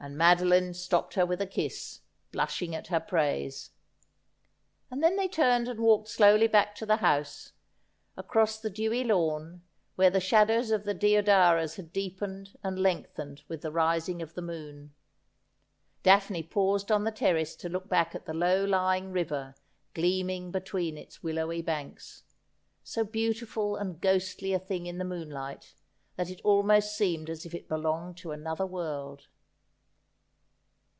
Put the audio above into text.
Madoline stopped her with a kiss, blushing at her praise. And then they turned and walked slowly back to the house, across the dewy lawn, where the shadows of the deodaras had deepened and lengthened with the rising of the moon. Daphne paused on the terrace to look back at the low lying river gleam ing between its willowy banks — so beautiful and ghostly a thing in the moonlight that it almost seemed as if it belonged to another world.